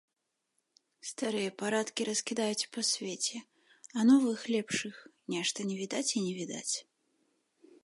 Старыя парадкі раскідаюць па свеце, а новых, лепшых, нешта не відаць і не відаць.